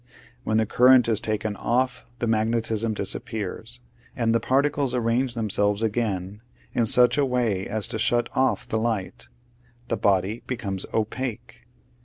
When the current is taken off the magnetism disappears, and the particles arrange themselves again in such a way as to shut off the light : the body becomes opaque.